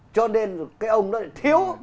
cho nên cái ông đó thiếu